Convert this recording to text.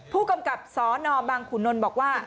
ผู้กำกับสนบางขุนนลบอกว่า